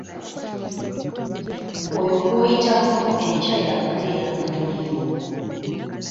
Oyo gw’oyita munno enkya y’akugeya nga toliiwo.